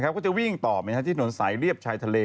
ก็จะวิ่งต่อไปที่ถนนสายเรียบชายทะเล